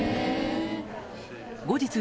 後日